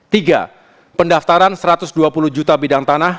tiga pendaftaran satu ratus dua puluh juta bidang tanah